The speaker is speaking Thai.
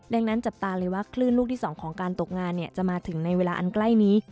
ดังนั้นจับตาคลื้นลูกที่สองของการตกงานถึงในเวลาอันใกล้นี้